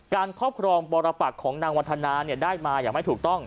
ครอบครองปรปักของนางวันธนาได้มาอย่างไม่ถูกต้อง